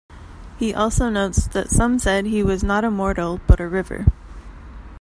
He also notes that some said he was not a mortal, but a river.